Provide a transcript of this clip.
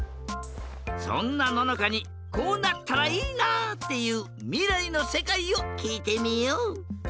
そんなののかにこうなったらいいなっていうみらいのせかいをきいてみよう！